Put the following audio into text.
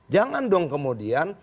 jangan dong kemudian